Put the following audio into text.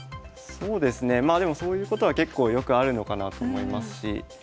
そうですねまあでもそういうことは結構よくあるのかなと思いますし。